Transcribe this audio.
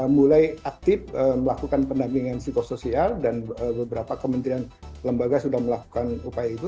mulai aktif melakukan pendampingan psikosoial dan beberapa kementerian lembaga sudah melakukan upaya itu